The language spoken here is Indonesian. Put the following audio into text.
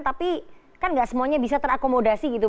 tapi kan gak semuanya bisa terakomodasi gitu